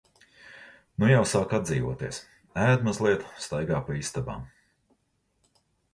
Nu jau sāk atdzīvoties - ēd mazliet, staigā pa istabām.